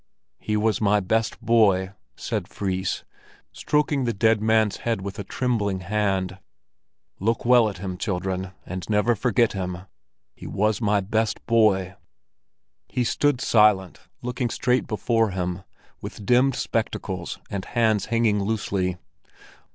"He was my best boy," said Fris, stroking the dead man's head with a trembling hand. "Look well at him, children, and never forget him again; he was my best boy." He stood silent, looking straight before him, with dimmed spectacles and hands hanging loosely.